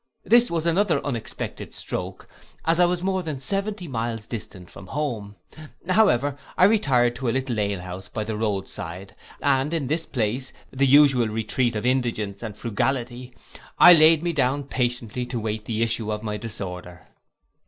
This was another unexpected stroke, as I was more than seventy miles distant from home: however, I retired to a little ale house by the road side, and in this place, the usual retreat of indigence and frugality, I laid me down patiently to wait the issue of my disorder.